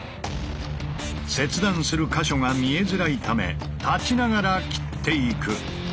切断する箇所が見えづらいため立ちながら切っていく。